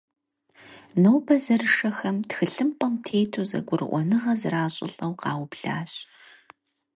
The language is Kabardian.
Нобэ зэрышэхэм тхылъымпӏэм тету зэгурыӏуэныгъэ зэращӏылӏэу къаублащ.